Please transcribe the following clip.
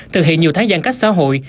thực hiện nhiều tháng giãn cách xã hội